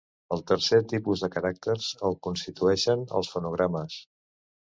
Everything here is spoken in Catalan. El tercer tipus de caràcters el constitueixen els fonogrames.